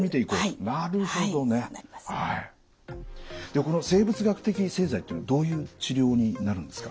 でこの生物学的製剤っていうのはどういう治療になるんですか？